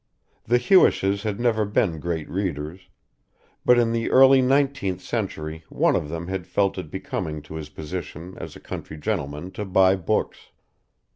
The Hewishes had never been great readers, but in the early nineteenth century one of them had felt it becoming to his position as a country gentleman to buy books.